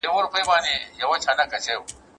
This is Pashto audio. پرون چي مي خوبونه وه لیدلي ریشتیا کیږي